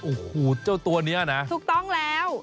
โอ้โหตัวเนี่ยนะถูกต้องแล้ว